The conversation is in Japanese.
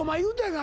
な